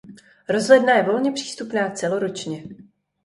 Rozhledna je volně přístupná celoročně.